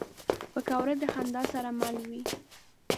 پکورې د خندا سره مل وي